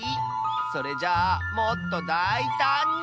それじゃあもっとだいたんに。